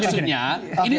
dampak politiknya apa